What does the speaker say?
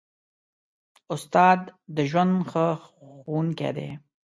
استاد د ژوند ښه ښوونکی دی.